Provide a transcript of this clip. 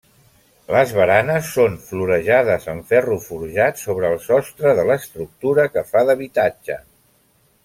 Les baranes són florejades en ferro forjat, sobre el sostre de l'estructura que fa d'habitatge.